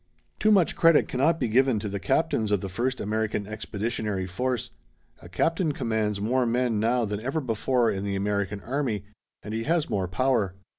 Too much credit cannot be given to the captains of the first American Expeditionary Force. A captain commands more men now than ever before in the American army and he has more power.